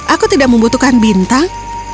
aku tidak membutuhkan bintang